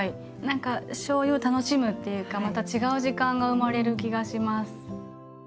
何かしょうゆを楽しむっていうかまた違う時間が生まれる気がします。